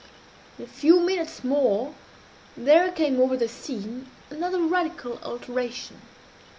In a few minutes more, there came over the scene another radical alteration.